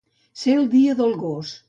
Ser el dia del gos.